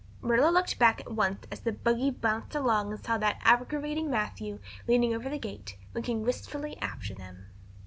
Marilla looked back once as the buggy bounced along and saw that aggravating Matthew leaning over the gate, looking wistfully after them.